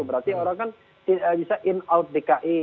berarti orang kan bisa in out dki